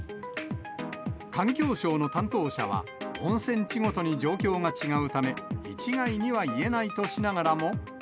環境省の担当者は、温泉地ごとに状況が違うため、一概には言えないとしながらも。